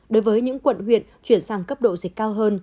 đối với những quận huyện chuyển sang cấp độ dịch cao hơn